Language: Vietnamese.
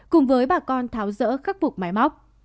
cùng với bà con tháo rỡ khắc phục máy móc